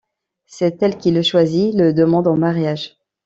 C'est elle qui le choisit et le demande en mariage!